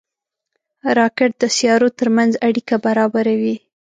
راکټ د سیارو ترمنځ اړیکه برابروي